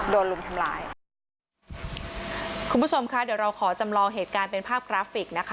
ลุมทำลายคุณผู้ชมคะเดี๋ยวเราขอจำลองเหตุการณ์เป็นภาพกราฟิกนะคะ